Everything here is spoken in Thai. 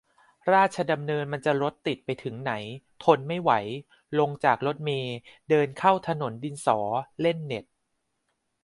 ราชดำเนินมันจะรถติดไปถึงไหน ทนไม่ไหว ลงจากรถเมล์ เดินเข้าถนนดินสอ เล่นเน็ต !